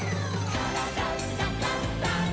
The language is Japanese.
「からだダンダンダン」